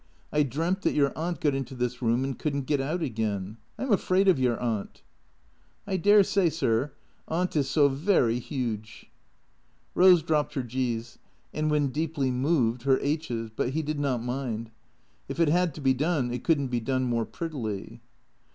" I dreamt that your aunt got into this room and could n't get out again. I 'm afraid of your aunt." " I dare say, sir. Aunt is so very 'uge." Eose dropped her g's and, when deeply moved, her aitches; but he did not mind. If it had to be done, it could n't be done more prettily.